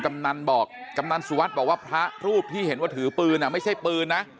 กำนันสุวัฒน์บอกว่าพระรูปที่เห็นว่าถือปืนไม่ใช่ปืนนะ